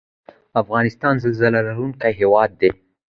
افغانستان زلزله لرونکی هیواد دی